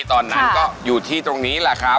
ตอนนั้นก็อยู่ที่ตรงนี้แหละครับ